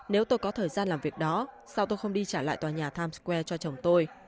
nếu tôi có thời gian làm việc đó sau tôi không đi trả lại tòa nhà times square cho chồng tôi